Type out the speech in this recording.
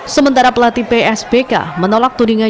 sementara pelatih psbk menolak tudingan